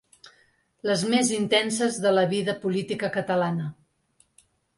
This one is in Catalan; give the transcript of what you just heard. Les més intenses de la vida política catalana.